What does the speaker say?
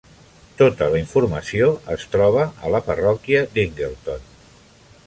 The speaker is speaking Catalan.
Tota la informació es troba a la parròquia d'Ingleton.